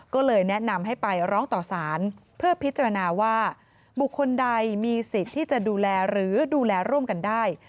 ก็เลยแนะนำให้ไปร้องต่อสารเพื่อพิจารณาว่าบุคคลใดมีสิทธิ์ที่จะดูแลหรือดูแลร่วมกันได้